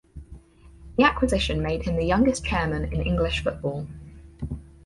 The acquisition made him the youngest chairman in English Football.